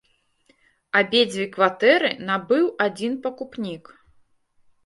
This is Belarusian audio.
Абедзве кватэры набыў адзін пакупнік.